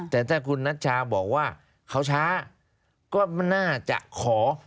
แต่ถ้าคุณนัชชาบอกว่าเขาช้าก็น่าจะขอ